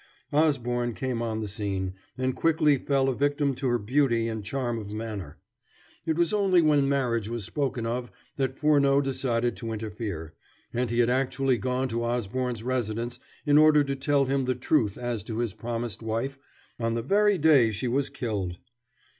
Osborne came on the scene, and quickly fell a victim to her beauty and charm of manner. It was only when marriage was spoken of that Furneaux decided to interfere, and he had actually gone to Osborne's residence in order to tell him the truth as to his promised wife on the very day she was killed.